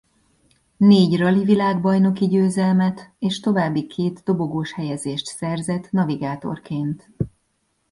Négy rali-világbajnoki győzelmet és további két dobogós helyezést szerzett navigátorként.